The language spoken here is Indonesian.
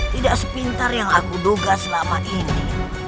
tidak sepintar yang aku duga selama ini